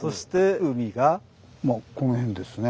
まあこの辺ですね。